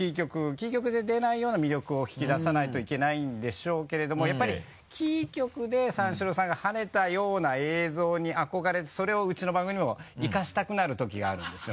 キー局で出ないような魅力を引き出さないといけないんでしょうけれどもやっぱりキー局で三四郎さんがハネたような映像に憧れてそれをうちの番組にも生かしたくなる時があるんですよ。